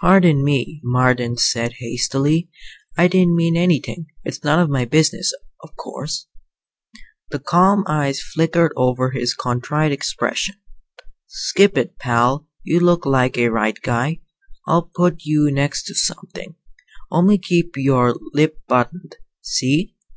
"Pardon me," Marden said hastily. "I didn't mean anything. It's none of my business, of course." The calm eyes flicked over his contrite expression. "Skip it, pal. You look like a right guy. I'll put you next to somethin'. Only keep your lip buttoned, see?"